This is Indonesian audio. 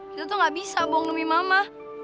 kita tuh gak bisa bohong demi mama